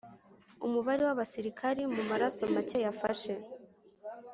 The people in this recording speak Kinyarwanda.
umubare w abasirikari mu maraso make yafashe